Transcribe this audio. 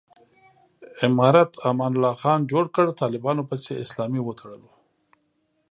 امارت امان الله خان جوړ کړ، طالبانو پسې اسلامي وتړلو.